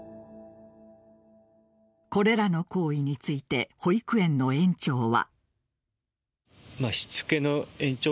これらの行為について保育園の園長は。